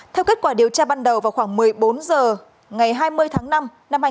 theo kết quả điều tra ban đầu vào khoảng một mươi bốn h ngày hai mươi tháng năm năm hai nghìn hai mươi